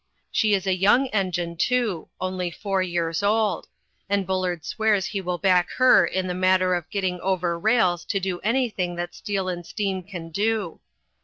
She is a young engine, too only four years old and Bullard swears he will back her in the matter of getting over rails to do anything that steel and steam can do.